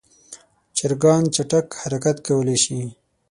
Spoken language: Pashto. چرګان چټک حرکت کولی شي.